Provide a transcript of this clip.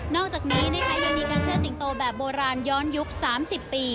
นอกจากนี้ยังมีกันเชื่อสิงโตแบบโบราณย้อนยุค๓๐ปี